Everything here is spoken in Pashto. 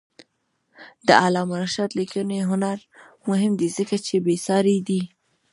د علامه رشاد لیکنی هنر مهم دی ځکه چې بېسارې دی.